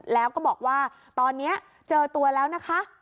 แล้วก็บอกว่าตอนนี้เจอตัวแล้วนะคะ